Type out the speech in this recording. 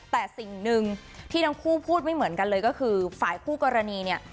แต่สิ่งหนึ่งที่ทั้งคู่พูดไม่เหมือนกันเลยก็คือฝ่ายคู่กรณีเนี่ย